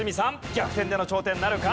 逆転での頂点なるか！？